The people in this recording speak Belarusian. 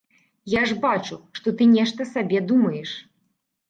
Я ж бачу, што ты нешта сабе думаеш!